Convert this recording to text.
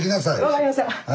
分かりました。